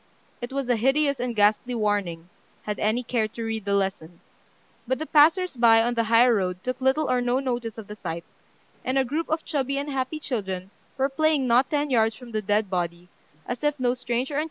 It was a hideous and ghastly warning, had any cared to read the lesson; but the passers by on the high road took little or no notice of the sight, and a group of chubby and happy children were playing not ten yards from the dead body, as if no strange or uncanny thing were near them.